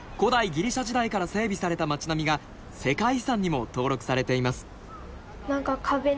ギリシャ時代から整備された街並みが世界遺産にも登録されています。